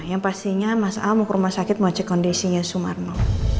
yang pastinya mas a mau ke rumah sakit mau cek kondisinya sumarno